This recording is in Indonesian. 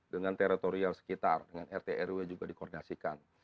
dengan teritorial sekitar dengan rtrw juga dikoordinasikan